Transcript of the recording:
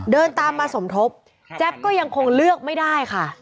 เดินตามมาสมทบแจ๊บก็ยังคงเลือกไม่ได้ค่ะ